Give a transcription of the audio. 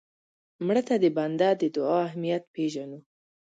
مړه ته د بنده د دعا اهمیت پېژنو